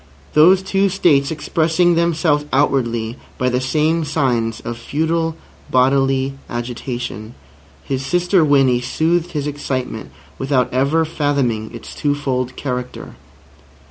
Those two states expressing themselves outwardly by the same signs of futile bodily agitation, his sister Winnie soothed his excitement without ever fathoming its twofold character.